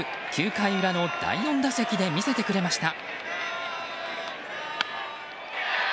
９回裏の第４打席で見せてくれました。